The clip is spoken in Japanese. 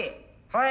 はい。